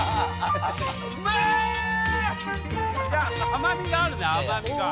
甘みがあるね甘みが。